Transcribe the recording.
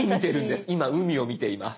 今海を見ています。